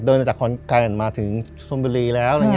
เดินมาจากคนไกลมาถึงสมบิรีแล้ว